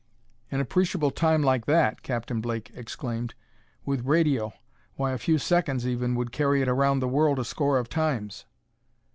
"An appreciable time like that," Captain Blake exclaimed, " with radio! Why, a few seconds, even, would carry it around the world a score of times!"